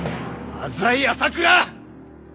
浅井朝倉！